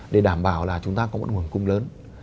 để đảm bảo là chúng ta có một nguồn cung lớn